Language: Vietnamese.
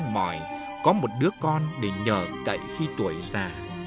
cứ mỏi có một đứa con để nhờ cậy khi tuổi già